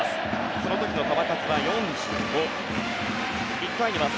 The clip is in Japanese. その時の球数は４５。